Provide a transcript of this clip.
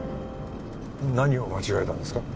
何を間違えたんですか？